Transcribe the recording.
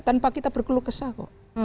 tanpa kita berkeluh kesah kok